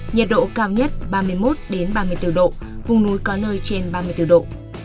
nhiệt độ cao nhất ba mươi một ba mươi bốn độ vùng núi có nơi trên ba mươi bốn độ